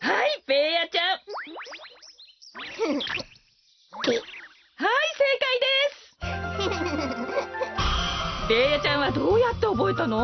ベーヤちゃんはどうやっておぼえたの？